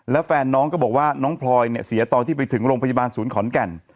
แล้วแฟนน้องก็บอกว่าน้องพลอยเนี่ยเสียตอนที่ไปถึงโรงพยาบาลศูนย์ขอนแก่น